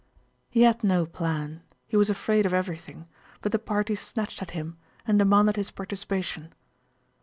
He had no plan, he was afraid of everything, but the parties snatched at him and demanded his participation.